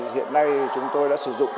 hiện nay chúng tôi đã sử dụng